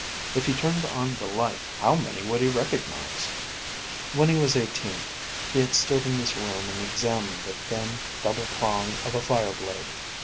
If he turned on the light, how many would he recognize? (When he was eighteen, he had stood in this room and examined the thin, double prong of a fire blade.